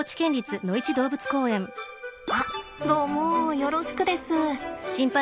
あどうもよろしくです。